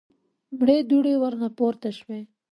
مړې دوړې ورنه پورته شوې.